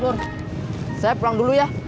nur saya pulang dulu ya